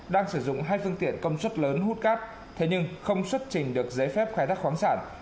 đang sử dụng hai phương tiện công suất lớn hút cát thế nhưng không xuất trình được giấy phép khai thác khoáng sản